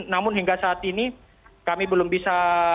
namun hingga saat ini kami belum bisa